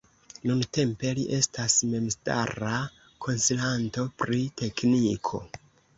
Nuntempe li estas memstara konsilanto pri tekniko.